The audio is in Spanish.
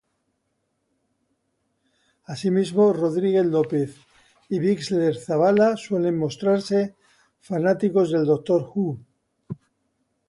Así mismo, Rodríguez-López y Bixler-Zavala suelen mostrarse fanáticos de Doctor Who.